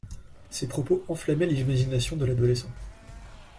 Ces propos enflammaient l'imagination de l'adolescent.